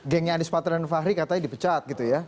gengnya anies mata dan fahri katanya dipecat gitu ya